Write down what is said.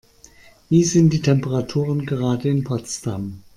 Wie sind die Temperaturen gerade in Potsdam?